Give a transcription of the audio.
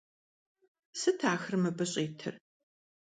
Сыт ахэр мыбы щӀитыр?